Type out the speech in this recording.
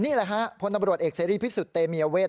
นี่แหละฮะพลตำรวจเอกเสรีพิสุทธิ์เตมียเวท